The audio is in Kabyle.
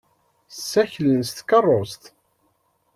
Ssaklen s tkeṛṛust.